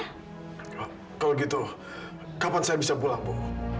kalau begitu kapan saya bisa pulang bu